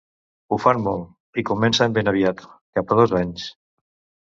Ho fan molt, i comencen ben aviat, cap a dos anys.